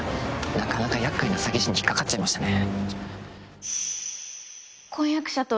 なかなか厄介なサギ師に引っ掛かっちゃいましたね